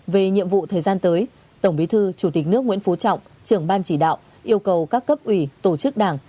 về nhiệm vụ thời gian tới tổng bí thư chủ tịch nước nguyễn phú trọng trưởng ban chỉ đạo yêu cầu các cấp ủy tổ chức đảng